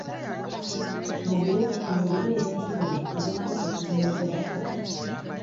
Mugire tutunuulire ebintu bino tubeeko kye tubyogerako.